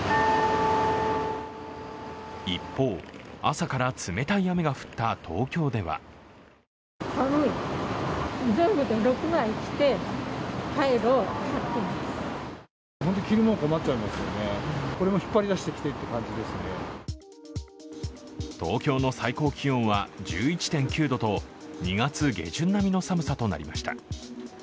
一方、朝から冷たい雨が降った東京では東京の最高気温は１１．９度と２月下旬並みの寒さとなりました。